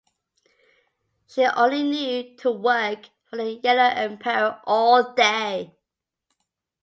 She only knew to work for the Yellow Emperor all day.